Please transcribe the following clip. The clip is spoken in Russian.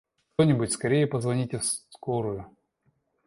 Кто-нибудь, скорее позвоните в скорую!